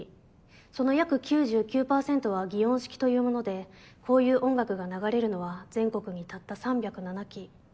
その約９９％は擬音式というものでこういう音楽が流れるのは全国にたった３０７基。